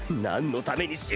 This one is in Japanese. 何のために！